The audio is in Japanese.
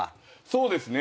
そうですね。